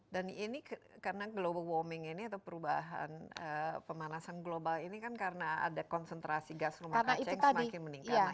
dan ini karena global warming ini atau perubahan pemanasan global ini kan karena ada konsentrasi gas rumah kaca yang semakin meningkat